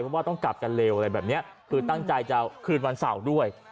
เพราะว่าต้องกลับกันเร็วคือตั้งใจจะขึ้นวันเสาร์ด้วย